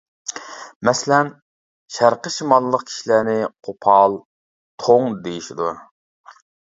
مەسىلەن: شەرقىي شىماللىق كىشىلەرنى قوپال، توڭ دېيىشىدۇ.